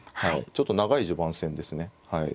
ちょっと長い序盤戦ですね。